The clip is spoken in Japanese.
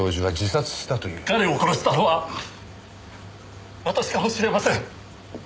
彼を殺したのは私かもしれません。